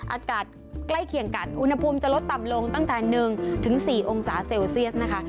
อากาศใกล้เคียงกันอุณหภูมิจะลดต่ำลงตั้งแต่๑๔องศาเซลเซียสนะคะ